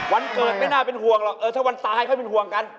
วันเกิดไม่น่าเป็นห่วงหรอกเออถ้าวันตายค่อยเป็นห่วงกัน